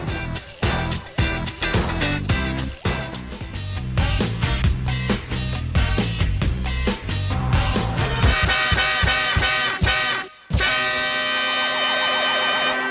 ขอบคุณครับครับครับครับครับ